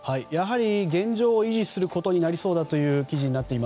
やはり現状を維持することになりそうだという記事です。